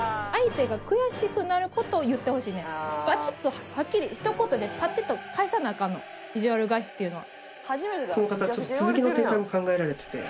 バチッとはっきりひと言でパチッと返さなアカンのいじわる返しっていうのは。